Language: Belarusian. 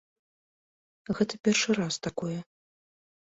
Гэта першы раз такое.